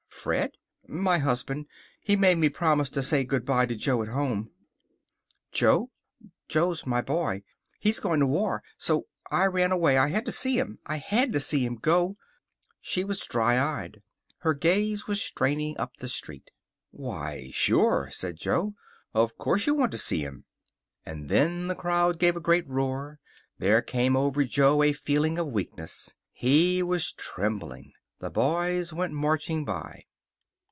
"Fred?" "My husband. He made me promise to say good by to Jo at home." "Jo?" "Jo's my boy. And he's going to war. So I ran away. I had to see him. I had to see him go." She was dry eyed. Her gaze was straining up the street. "Why, sure," said Jo. "Of course you want to see him." And then the crowd gave a great roar. There came over Jo a feeling of weakness. He was trembling. The boys went marching by.